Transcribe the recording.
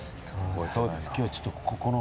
今日はちょっとここの。